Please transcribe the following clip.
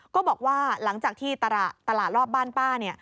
ก็บอกว่าหลังจากที่ตลาดรอบบ้านป้าเนี่ย